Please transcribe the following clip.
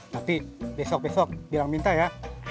nanti besok besok bilang minta ya